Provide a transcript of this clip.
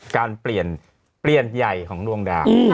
การเปลี่ยนใยของดวงดาว